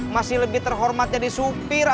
masih lebih terhormat jadi supir